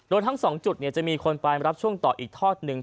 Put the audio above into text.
โดยทั้ง๒จุดจะมีคนไปรับช่วงต่ออีกทอดหนึ่ง